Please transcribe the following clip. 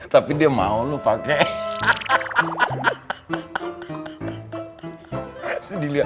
tapi dia mau lu pakai